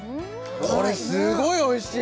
これすごいおいしい！